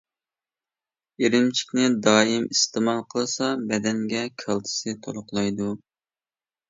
ئىرىمچىكنى دائىم ئىستېمال قىلسا، بەدەنگە كالتسىي تولۇقلايدۇ.